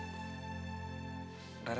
kok tiba tiba diem gitu